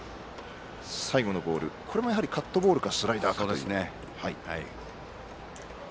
最後のボールもカットボールかスライダーか。